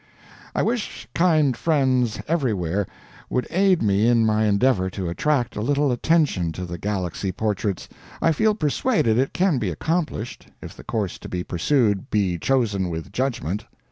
I wish kind friends everywhere would aid me in my endeavor to attract a little attention to the _Galaxy _portraits. I feel persuaded it can be accomplished, if the course to be pursued be chosen with judgment.